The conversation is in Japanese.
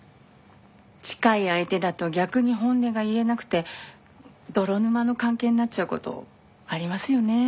近い相手だと逆に本音が言えなくて泥沼の関係になっちゃう事ありますよね。